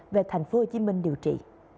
về thành phố hồ chí minh điều trị